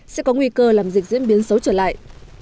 sẽ có nguy cơ làm dịch diễn biến xấu trở lại